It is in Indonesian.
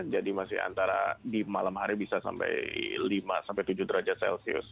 jadi masih antara di malam hari bisa sampai lima tujuh derajat celcius